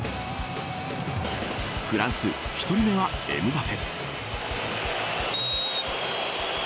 フランス、１人目はエムバペ。